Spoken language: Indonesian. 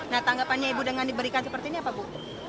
nah tanggapannya ibu dengan diberikan seperti ini apa bu